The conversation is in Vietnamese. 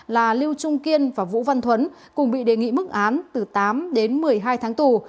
là lưu trung kiên và vũ văn thuấn cùng bị đề nghị mức án từ tám đến một mươi hai tháng tù